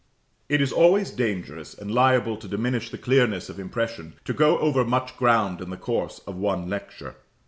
It is always dangerous, and liable to diminish the clearness of impression, to go over much ground in the course of one lecture.